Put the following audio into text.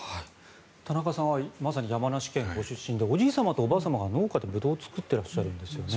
田中さんはまさに山梨県ご出身でおじい様とおばあ様が農家でブドウを作っていらっしゃるんですよね。